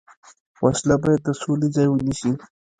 وسله باید د سولې ځای ونیسي